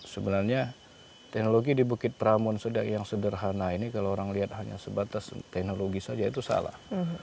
sebenarnya teknologi di bukit pramun yang sederhana ini kalau orang lihat hanya sebatas teknologi saja itu salah